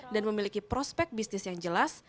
dan memiliki prospek bisnis yang jelas